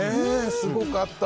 すごかった！